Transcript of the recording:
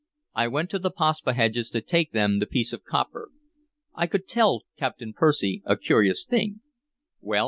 I went to the Paspaheghs to take them the piece of copper. I could tell Captain Percy a curious thing" "Well?"